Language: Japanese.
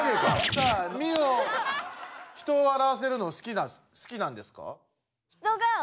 さあミオ人をわらわせるのすきなんですか？